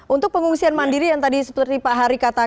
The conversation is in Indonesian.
untuk pengungsian mandiri yang tadi seperti pak hari katakan